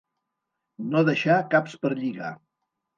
No deixar caps per lligar.